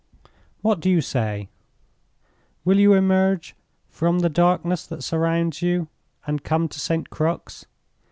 "What do you say? Will you emerge from the darkness that surrounds you and come to St. Crux?